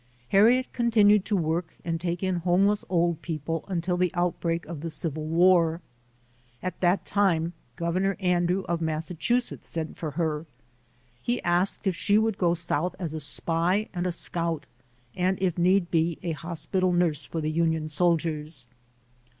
Harriet continued to work and take in homeless old people until the outbreak of the Civil War. At that time, Governor Andrew of Massachu setts sent for her. He asked if she would go South as a spy and a scout, and if need be, a hospital nurse for the Union soldiers.